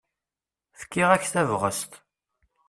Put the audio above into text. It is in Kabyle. Fkiɣ-ak tabɣest.